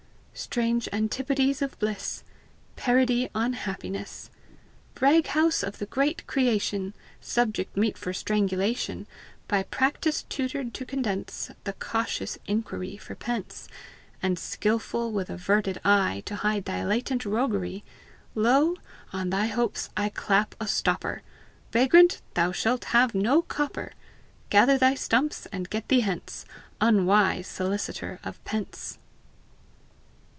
Strange antipodes of bliss! Parody on happiness! Baghouse of the great creation! Subject meet for strangulation, By practice tutored to condense The cautious inquiry for pence, And skilful, with averted eye, To hide thy latent roguery Lo, on thy hopes I clap a stopper! Vagrant, thou shalt have no copper! Gather thy stumps, and get thee hence, Unwise solicitor of pence!